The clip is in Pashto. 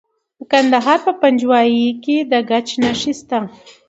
د کندهار په پنجوايي کې د ګچ نښې شته.